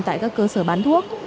tại các cơ sở bán thuốc